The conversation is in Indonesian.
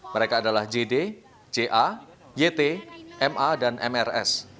mereka adalah jd ja yt ma dan mrs